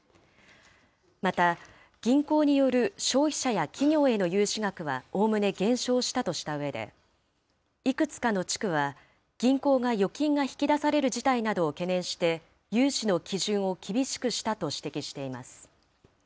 また、銀行による消費者や企業への融資額はおおむね減少したとしたうえで、いくつかの地区は銀行が預金が引き出される事態などを懸念して、融資の基準を厳しくしたと指摘しています。